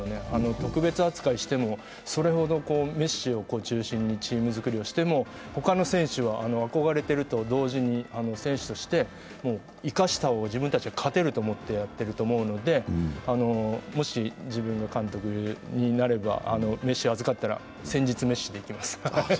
特別扱いしても、それほどメッシを中心にチーム作りをしても、他の選手は憧れてると同時に選手として生かした方が自分たちは勝てると思ってやっているので、もし自分がメッシを預かったら、戦術メッシと言っています。